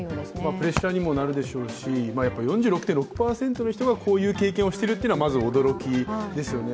プレッシャーにもなるでしょうし、４４．６％の人がこういう経験をしているというのがまず驚きですよね。